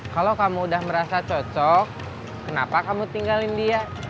kalau kamu udah merasa cocok kenapa kamu tinggalin dia